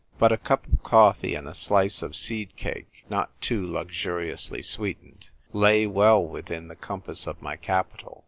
But a cup of coffee and a slice of seed cake (not too luxuriously sweetened) lay well within the compass of my capital.